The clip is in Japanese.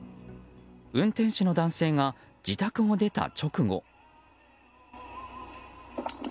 運転手の男性が自宅を出た直後。